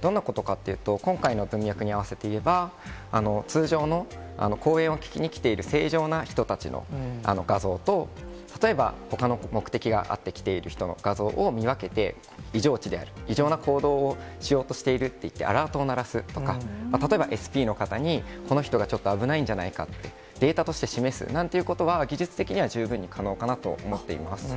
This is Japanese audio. どんなことかっていうと、今回の文脈に合わせて言えば、通常の講演を聞きにきている正常な人たちの画像と、例えばほかの目的があって来ている人の画像を見分けて、異常値である、異常な行動をしようとしているといって、アラートを鳴らすとか、例えばＳＰの方にこの人がちょっと危ないんじゃないかと、データとして示すなんていうことは、技術的には十分に可能かなと思っています。